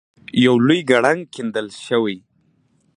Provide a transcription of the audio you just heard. یو لوی کړنګ کیندل شوی.